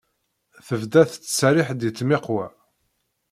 Tebda tettserriḥ-d i tmiqwa.